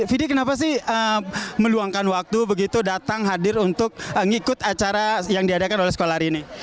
fidi kenapa sih meluangkan waktu begitu datang hadir untuk ngikut acara yang diadakan oleh sekolah hari ini